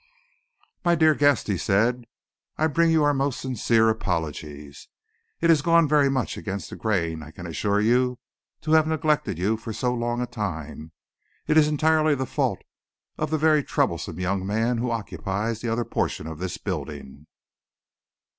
"My dear guest," he said, "I bring you our most sincere apologies. It has gone very much against the grain, I can assure you, to have neglected you for so long a time. It is entirely the fault of the very troublesome young man who occupies the other portion of this building.